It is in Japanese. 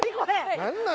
何なの？